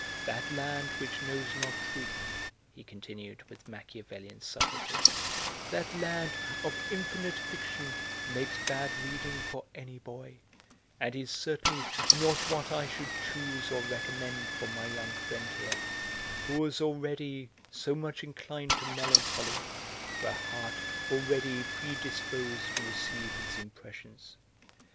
That land which knows not truth," he continued with Machiavellian subtlety, "that land of infinite fiction makes bad reading for any boy; and is certainly not what I should choose or recommend for my young friend here, who is already so much inclined to melancholy, for a heart already predisposed to receive its impressions.